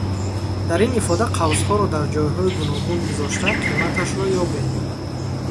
Дар ин ифода қавсҳоро дар ҷойҳои гуногун гузошта, қиматашро ёбед.